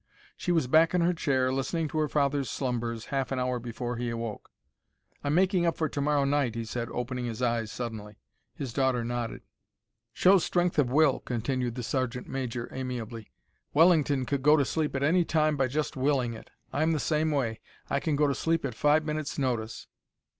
She was back in her chair, listening to her father's slumbers, half an hour before he awoke. "I'm making up for to morrow night," he said, opening his eyes suddenly. His daughter nodded. "Shows strength of will," continued the sergeant major, amiably. "Wellington could go to sleep at any time by just willing it. I'm the same way; I can go to sleep at five minutes' notice."